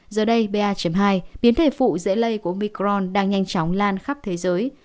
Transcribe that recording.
giờ đây ba hai biến thể phụ dễ lây của bicron đang nhanh chóng lan khắp thế giới